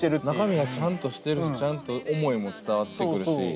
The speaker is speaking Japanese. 中身がちゃんとしてるしちゃんと思いも伝わってくるし。